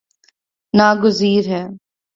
نا گزیر ہے